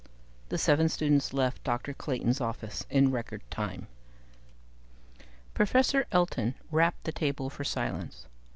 The seven students left Dr. Clayton's office in record time. Professor Elton rapped the table for silence.